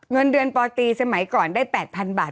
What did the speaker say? เงินเดือนปตีสมัยก่อนได้๘๐๐๐บาท